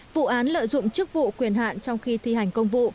vụ án lợi dụng chức vụ quyền hạn trong khi thi hành công vụ